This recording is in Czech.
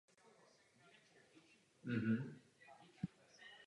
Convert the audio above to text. Mezi nejdůležitější ekonomické aktivity v kraji patří extenzivní pastevectví a těžba ropy.